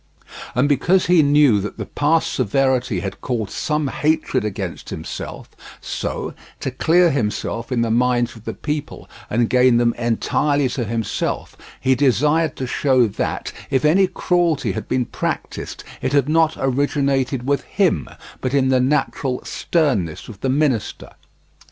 And because he knew that the past severity had caused some hatred against himself, so, to clear himself in the minds of the people, and gain them entirely to himself, he desired to show that, if any cruelty had been practised, it had not originated with him, but in the natural sternness of the minister.